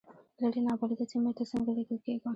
لرې نابلده سیمې ته څنګه لېږل کېږم.